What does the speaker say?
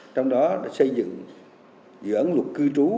trong đó xây dựng dự án luật cư trú